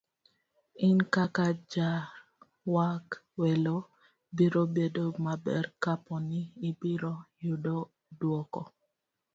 In kaka jarwak welo, biro bedo maber kapo ni ibiro yudo duoko